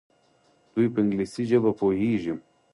دوی په انګلیسي ژبه پوهیږي.